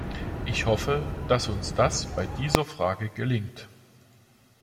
Ich hoffe, dass uns das bei dieser Frage gelingt.